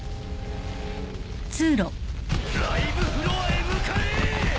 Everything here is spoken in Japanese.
ライブフロアへ向かえ！